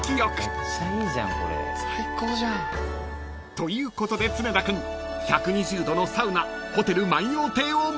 ということで常田君１２０℃のサウナホテル万葉亭を満喫］